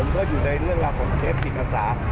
ผมเพิ่งอยู่ในเรื่องราวของเชฟบิตรศาสตร์